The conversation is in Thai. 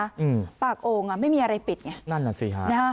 อืมปากโอ่งอ่ะไม่มีอะไรปิดไงนั่นน่ะสิฮะนะฮะ